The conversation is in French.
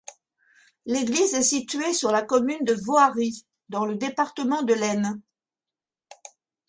L'église est située sur la commune de Voharies, dans le département de l'Aisne.